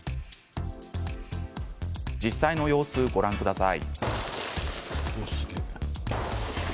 実際の様子、ご覧ください。